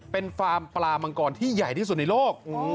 เป็นฟาร์มปลามังกรที่ใหญ่ที่สุดในโลก